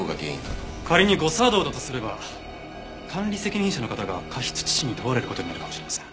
仮に誤作動だとすれば管理責任者の方が過失致死に問われる事になるかもしれません。